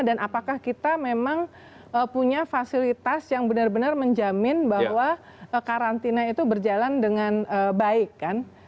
dan apakah kita memang punya fasilitas yang benar benar menjamin bahwa karantina itu berjalan dengan baik